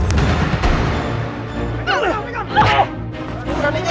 tidak tidak tidak